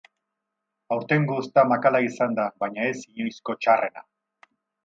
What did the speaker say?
Aurtengo uzta makala izan da baina ez inoizko txarrena.